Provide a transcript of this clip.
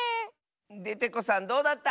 デテコさんどうだった？